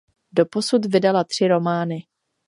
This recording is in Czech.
Doposud vydala tři romány.